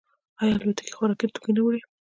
آیا الوتکې خوراکي توکي نه وړي؟